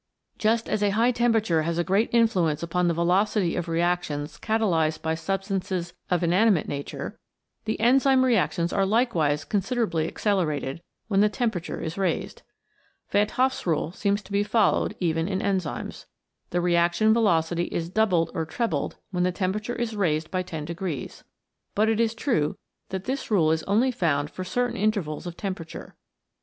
Just as a high temperature has a great influence upon the velocity of reactions catalysed by sub stances of inanimate nature, the enzyme reactions are likewise considerably accelerated, when the temperature is raised. Van 't Hoff's Rule seems to be followed even in enzymes. The reaction velocity is doubled or trebled when the tem perature is raised by 10 degrees. But it is true that this rule is only found for certain intervals of temperature.